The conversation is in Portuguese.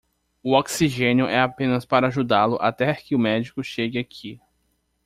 O oxigênio é apenas para ajudá-lo até que o médico chegue aqui.